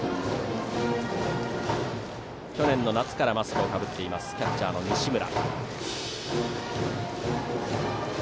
去年の夏からマスクをかぶっているキャッチャーの西村。